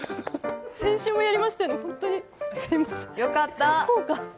先週もやりましたよね、本当にすいません。